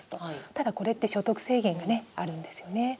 ただ、これって所得制限があるんですよね。